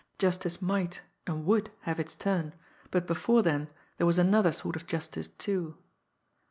Justice might and would have its turn, but before then there was another sort of justice, too!